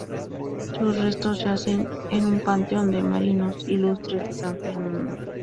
Sus restos yacen en en Panteón de Marinos Ilustres de San Fernando.